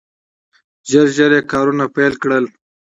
ژر ژر یې کارونه پیل کړل.